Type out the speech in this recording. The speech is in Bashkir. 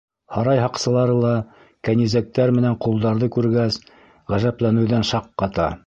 Һарай һаҡсылары ла, кәнизәктәр менән ҡолдарҙы күргәс, ғәжәпләнеүҙән шаҡ ҡата.